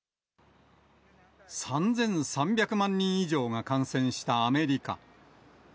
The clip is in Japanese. ３３００万人以上が感染したアメリカ。